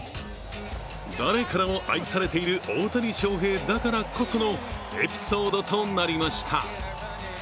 誰からも愛されている大谷翔平だからこそのエピソードとなりました。